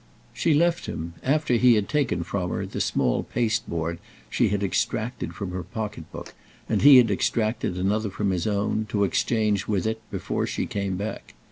She left him after he had taken from her the small pasteboard she had extracted from her pocket book, and he had extracted another from his own, to exchange with it, before she came back.